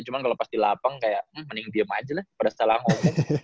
cuman kalo pas dilapang kayak mending diem aja lah pada setelah ngobrol